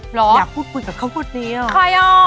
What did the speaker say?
เหรอใครอ่ะอยากพูดบุหรภ์กับเข้าพนนี้อ่ะ